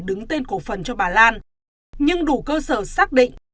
đứng tên cổ phần cho bà lan nhưng đủ cơ sở xác định